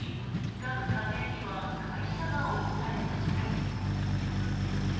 各家庭には外車が贈られました。